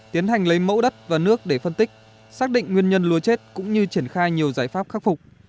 tiến hành lấy mẫu đất và nước để phân tích xác định nguyên nhân lúa chết cũng như triển khai nhiều giải pháp khắc phục